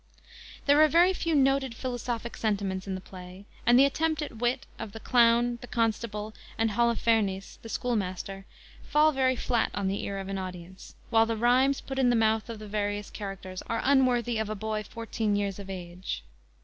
There are very few noted philosophic sentiments in the play, and the attempt at wit, of the clown, the constable and Holofernes, the schoolmaster, fall very flat on the ear of an audience, while the rhymes put in the mouth of the various characters are unworthy of a boy fourteen years of age.